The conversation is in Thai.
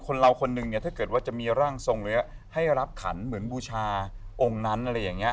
เราคนนึงเนี่ยถ้าเกิดว่าจะมีร่างทรงหรือให้รับขันเหมือนบูชาองค์นั้นอะไรอย่างนี้